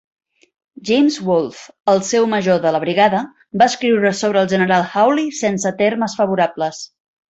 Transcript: James Wolfe, el seu major de la brigada, va escriure sobre el General Hawly sense termes favorables.